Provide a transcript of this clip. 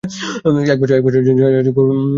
এক বছর পর জাহাজটি ফরাসিরা আটক করে।